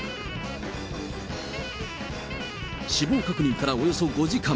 死亡確認からおよそ５時間。